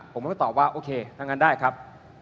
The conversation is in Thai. ผมไม่ตอบว่าโอเคทำงานได้ครับ